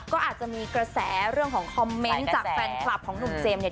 ก็อาจจะมีกระแสเรื่องของคอมเมนต์จากแฟนคลับของหนุ่มเจมส์เนี่ย